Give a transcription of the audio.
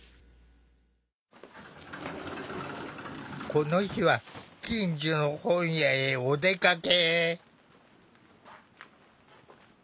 この日は近所の本屋へお出かけ。